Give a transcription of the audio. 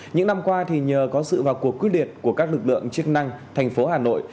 những năm qua nhờ có sự và cuộc quyết liệt của các lực lượng chức năng tp hà nội